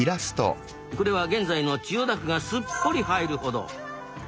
これは現在の千代田区がすっぽり入るほど。